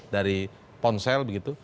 dari ponsel begitu